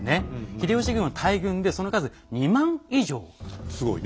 秀吉軍は大軍でその数２万以上。